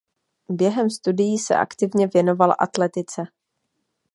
Během studií se aktivně věnoval atletice.